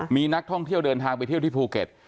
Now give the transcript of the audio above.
มีนักท่องเที่ยวเดินทางไปเที่ยวที่ภูเก็ต